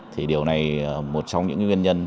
thì điều này một trong những nguyên nhân